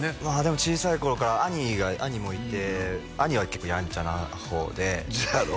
小さい頃から兄が兄もいて兄は結構ヤンチャな方でそうやろ？